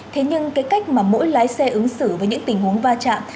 thế nhưng cái cách mà mỗi lái xe ứng xử với những tình huống va chạm